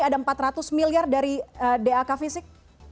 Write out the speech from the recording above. ada empat ratus miliar dari dak fisik